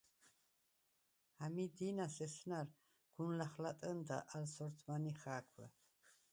ამი̄ დი̄ნას ესნა̈რ გუნ ლახლატჷნდა ალ სორთმან ი ხა̄̈ქუ̂: